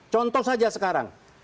contoh saja sekarang